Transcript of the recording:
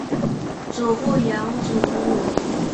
祖父杨祖武。